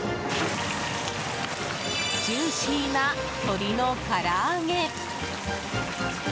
ジューシーな鶏のから揚げ。